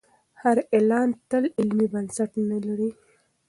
هر اعلان تل علمي بنسټ نه لري.